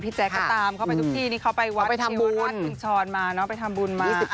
พี่แจ๊กก็ตามเข้าไปทุกที่นี่เข้าไปวัดชิวราชคุณชรมาไปทำบุญมา